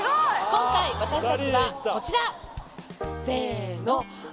今回私たちはこちらせのフゥ！